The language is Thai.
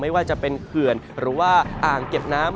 ไม่ว่าจะเป็นเขื่อนหรือว่าอ่างเก็บน้ำ